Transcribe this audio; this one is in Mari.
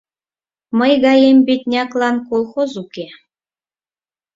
Мый гаем бедняклан колхоз уке.